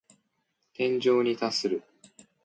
天井に達する。